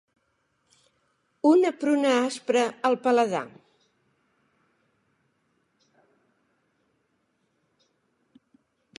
Una pruna aspra al paladar.